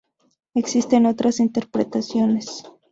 Existen otras interpretaciones.